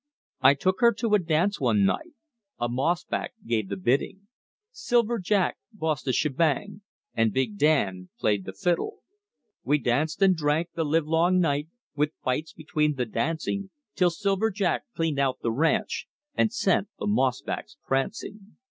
"I took her to a dance one night, A mossback gave the bidding Silver Jack bossed the shebang, and Big Dan played the fiddle. We danced and drank the livelong night With fights between the dancing, Till Silver Jack cleaned out the ranch And sent the mossbacks prancing."